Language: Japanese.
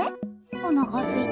おなかすいた。